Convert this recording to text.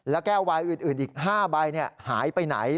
แล้วแก้ววายอื่นอีก๕ใบหายไปไหน